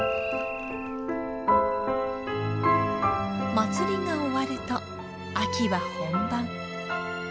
祭りが終わると秋は本番。